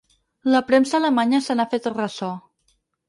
La premsa alemanya se n’ha fet ressò.